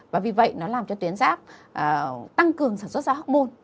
và vì vậy nó làm cho tuyến giáp tăng cường sản xuất ra hormôn